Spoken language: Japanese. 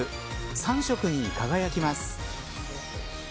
３色に輝きます。